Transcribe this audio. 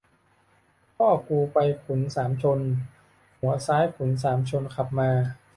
พ่อกูไปขุนสามชน หัวซ้ายขุนสามชนขับมา